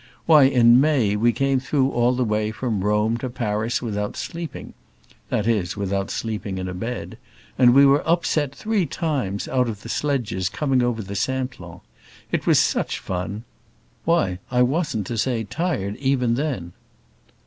Why, in May we came through all the way from Rome to Paris without sleeping that is, without sleeping in a bed and we were upset three times out of the sledges coming over the Simplon. It was such fun! Why, I wasn't to say tired even then."